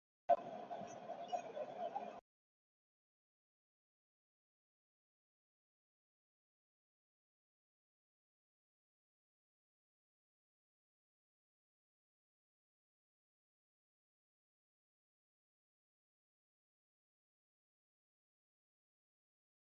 পরেশবাবু হরিমোহিনীকে কহিলেন, আমি আপনার বাড়িতে জিনিসপত্র সমস্ত গুছিয়ে দিয়ে আসি গে।